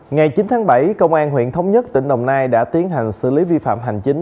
ngày chín tháng bảy công an huyện thống nhất tỉnh đồng nai đã tiến hành xử lý vi phạm hành chính